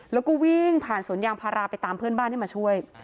แล้วก็วิ่งผ่านสวนยางพาราไปตามเพื่อนบ้านให้มาช่วย